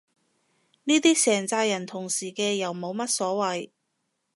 呢啲成咋人同時嘅又冇乜所謂